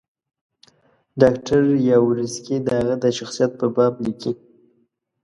ډاکټر یاورسکي د هغه د شخصیت په باب لیکي.